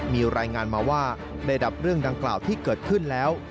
มีรายงานมาว่าได้รับเรื่องดังกล่าวที่เกิดขึ้นแล้ว